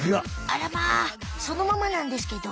あらまあそのままなんですけど。